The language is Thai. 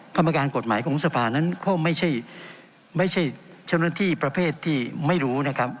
กรรมการกฎหมายของสภานั้นก็ไม่ใช่เจ้าหน้าที่ประเภทที่ไม่รู้นะครับ